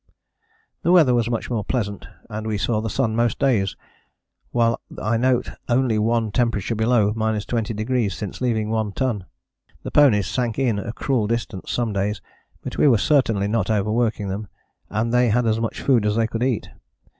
The weather was much more pleasant and we saw the sun most days, while I note only one temperature below 20° since leaving One Ton. The ponies sank in a cruel distance some days, but we were certainly not overworking them and they had as much food as they could eat.